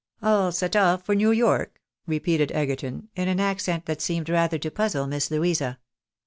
'' "All set oif for New York? " repeated Egerton, in an accent that seemed rather to puzzle Miss Louisa.